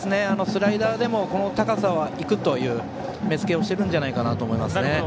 スライダーでもこの高さはいくという目付けをしているんじゃないかと思いますね。